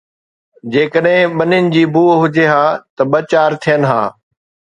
جيڪڏهن ٻنين جي بوءِ هجي ها ته ٻه چار ٿين ها